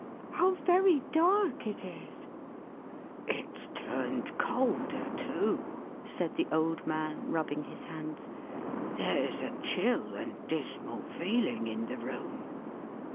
— How very dark it is !" "It's turned colder, too," said the old man, rubbing his hands. "There's a chill and dismal feeling in the room.